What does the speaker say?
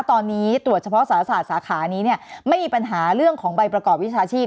ตอนนี้ตรวจเฉพาะสารศาสตร์สาขานี้ไม่มีปัญหาเรื่องของใบประกอบวิชาชีพ